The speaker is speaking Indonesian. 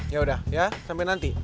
yaudah ya sampai nanti